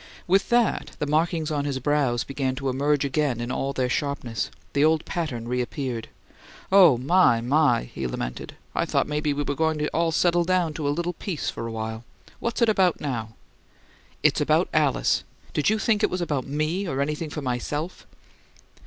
With that, the markings on his brows began to emerge again in all their sharpness; the old pattern reappeared. "Oh, my, my!" he lamented. "I thought maybe we were all going to settle down to a little peace for a while. What's it about now?" "It's about Alice. Did you think it was about ME or anything for MYSELF?"